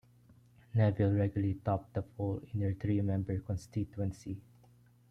Neville regularly topped the poll in her three-member constituency.